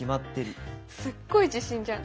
すっごい自信じゃん。